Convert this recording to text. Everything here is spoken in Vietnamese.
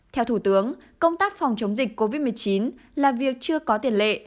theo thủ tướng công tác phòng chống dịch covid một mươi chín là việc chưa có tiền lệ